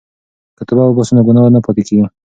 که توبه وباسو نو ګناه نه پاتې کیږي.